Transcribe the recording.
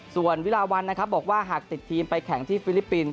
ส่วนวิลาวันนะครับบอกว่าหากติดทีมไปแข่งที่ฟิลิปปินส